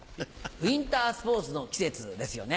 ウインタースポーツの季節ですよね？